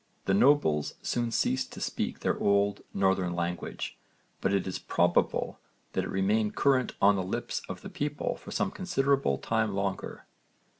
The nobles soon ceased to speak their old northern language, but it is probable that it remained current on the lips of the people for some considerable time longer.